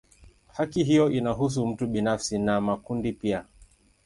Haki hiyo inahusu mtu binafsi na makundi pia.